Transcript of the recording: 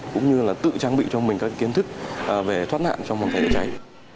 cũng như là tự trang bị cho mình các kiến thức về thoát nạn trong mặt nhà cháy